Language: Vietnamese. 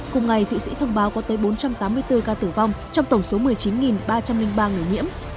cùng ngày thụy sĩ thông báo có tới bốn trăm tám mươi bốn ca tử vong trong tổng số một mươi chín ba trăm linh ba người nhiễm